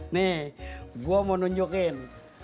nih gua mau nunjukin